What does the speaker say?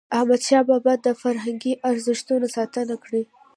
احمدشاه بابا د فرهنګي ارزښتونو ساتنه کړی.